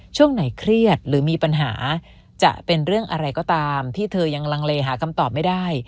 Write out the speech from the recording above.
ช่วงไหนเครียดหรือมีปัญหาจะเป็นเรื่องอะไรก็ตามที่เธอยังลังเลหาคำตอบไม่ได้